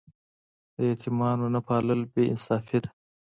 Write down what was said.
د یتیمانو نه پالل بې انصافي ده.